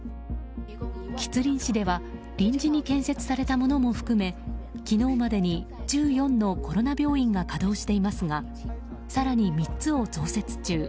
吉林市では臨時に建設されたものも含め昨日までに１４のコロナ病院が稼働していますが更に３つを増設中。